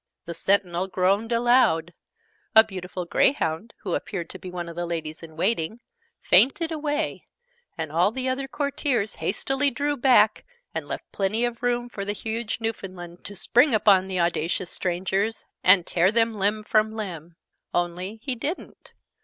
The Sentinel groaned aloud: a beautiful Greyhound who appeared to be one of the Ladies in Waiting fainted away: and all the other Courtiers hastily drew back, and left plenty of room for the huge Newfoundland to spring upon the audacious strangers, and tear them limb from limb. Only he didn't.